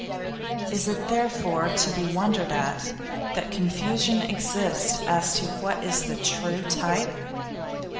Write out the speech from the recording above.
Is it therefore to be wondered at that confusion exists as to what is the true type?